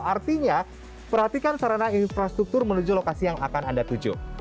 artinya perhatikan sarana infrastruktur menuju lokasi yang akan anda tuju